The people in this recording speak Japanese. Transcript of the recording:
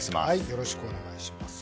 よろしくお願いします。